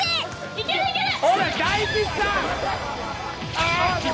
いけるいける！